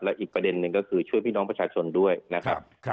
อีกประเด็นหนึ่งก็คือช่วยพี่น้องประชาชนด้วยนะครับ